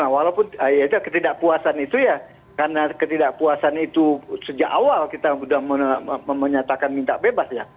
walaupun ya itu ketidakpuasan itu ya karena ketidakpuasan itu sejak awal kita sudah menyatakan minta bebas ya